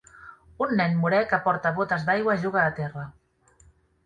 Un nen morè que porta botes d'aigua juga a terra.